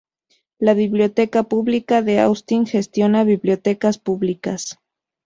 La Biblioteca Pública de Austin gestiona bibliotecas públicas.